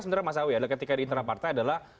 sebenarnya mas awi ketika di intrapartai adalah